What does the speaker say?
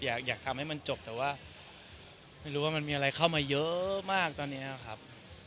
อยากทำให้มันจบแต่ว่าไม่รู้ว่ามันมีอะไรเข้ามาเยอะมากตอนนี้ครับ